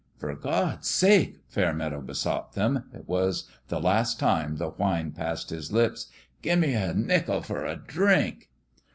"Per Gawd's sake," Fairmeadow besought them it was the last time the whine passed his lips " gimme a nickel fer a drink